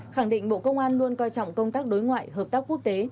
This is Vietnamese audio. khẳng định bộ công an luôn coi trọng công tác đối ngoại hợp tác quốc tế